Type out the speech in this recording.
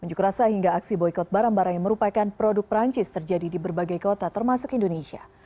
unjuk rasa hingga aksi boykot barang barang yang merupakan produk perancis terjadi di berbagai kota termasuk indonesia